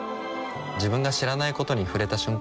自分が知らないことに触れた瞬間